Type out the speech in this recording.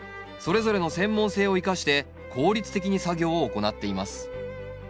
それぞれの専門性を生かして効率的に作業を行っています。